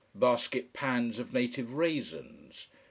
Basket pans of native raisins.